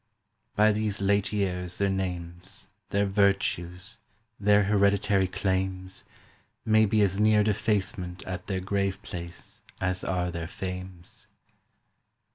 "By these late years their names, Their virtues, their hereditary claims, May be as near defacement at their grave place As are their fames."